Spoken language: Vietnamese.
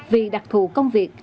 vì đặc thù công việc